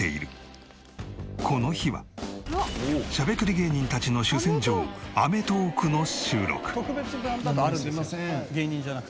この日はしゃべくり芸人たちの主戦場『アメトーーク』の収録。